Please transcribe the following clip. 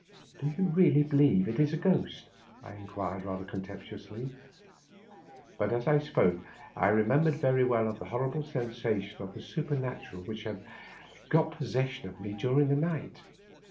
"Do you really believe it is a ghost?" I inquired, rather contemptuously. But as I spoke I remembered very well the horrible sensation of the supernatural which had got possession of me during the night.